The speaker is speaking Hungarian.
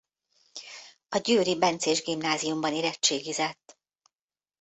A győri bencés gimnáziumban érettségizett.